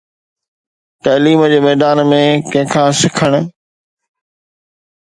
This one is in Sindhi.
تعليم جي ميدان ۾ ڪنهن کان سکڻ.